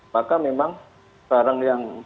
maka memang barang yang